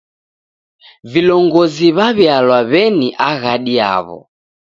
Vilongozi w'aw'ialwa w'eni aghadi yaw'o.